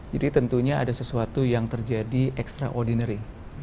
jadi tentunya ada sesuatu yang terjadi extraordinary